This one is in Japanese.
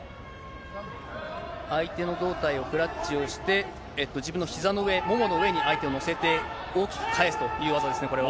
相手の胴体をクラッチをして、自分のひざの上、ももの上に相手を乗せて大きく返すという技ですね、これは。